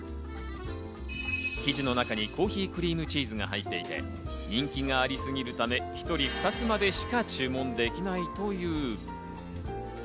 生地の中にコーヒークリームチーズが入っていて、人気がありすぎるため、１人２つまでしか注文できないという。